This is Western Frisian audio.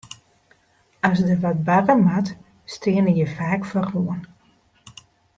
As der wat barre moat, steane je faak foaroan.